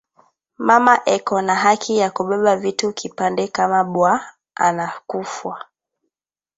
Mama eko na haki ya ku beba vitu kipande kama bwa anakufwa